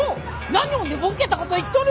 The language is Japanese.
何を寝ぼけたこと言っとる！